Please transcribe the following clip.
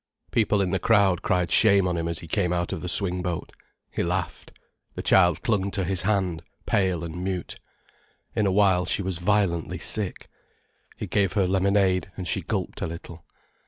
People in the crowd cried shame on him as he came out of the swingboat. He laughed. The child clung to his hand, pale and mute. In a while she was violently sick. He gave her lemonade, and she gulped a little.